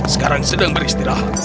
sekarang sedang beristirahat